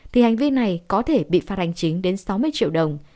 thì hành vi này có thể bị phạt hành chính đến sáu mươi triệu đồng